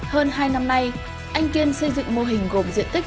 hơn hai năm nay anh kiên xây dựng mô hình gồm diện tích